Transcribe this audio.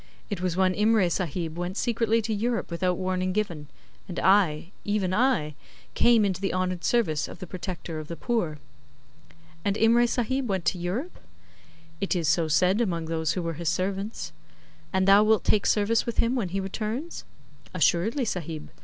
It was when Imray Sahib went secretly to Europe without warning given; and I even I came into the honoured service of the protector of the poor.' 'And Imray Sahib went to Europe?' 'It is so said among those who were his servants.' 'And thou wilt take service with him when he returns?' 'Assuredly, Sahib.